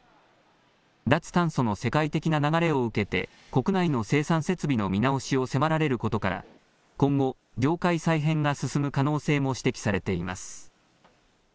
脱炭素の世界的な流れを受けて国内の生産設備の見直しを迫られることから、今後、業界再編が進む可能性も指摘されています。